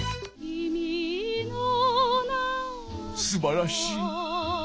すばらしい。